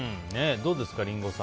どうですか、リンゴさん。